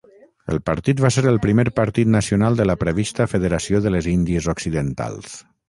El partit va ser el primer partit nacional de la prevista Federació de les Índies Occidentals.